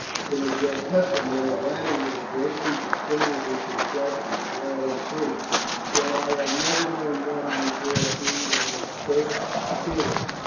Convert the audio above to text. It is their custom when a gladiator greatly distinguishes himself to declare him free, though I have never known one before freed on his first appearance.